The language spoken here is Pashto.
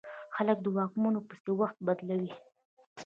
خلک د واکمنو پسې وخت بدلوي.